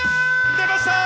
出ました！